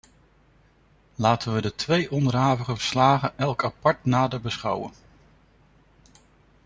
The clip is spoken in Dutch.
Laten we de twee onderhavige verslagen elk apart nader beschouwen.